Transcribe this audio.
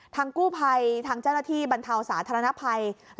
ทางกู้ไพรทางชาวหน้าธี่บรรเทาสาธารณะไพร